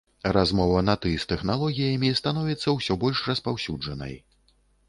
Размова на ты з тэхналогіямі становіцца ўсё больш распаўсюджанай.